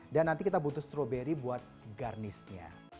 dan nanti kita butuh strawberry buat garnisnya